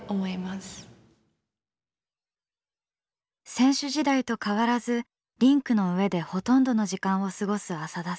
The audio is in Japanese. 選手時代と変わらずリンクの上でほとんどの時間を過ごす浅田さん。